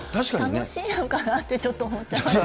楽しいのかなってちょっと思っちゃいました。